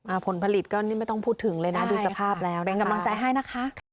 ผลผลิตก็นี่ไม่ต้องพูดถึงเลยนะดูสภาพแล้วเป็นกำลังใจให้นะคะ